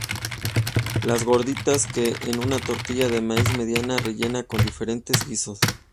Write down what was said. Las gorditas, que es una tortilla de maíz mediana rellena con diferentes guisos.